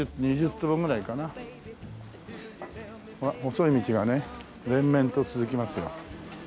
ほら細い道がね連綿と続きますよ。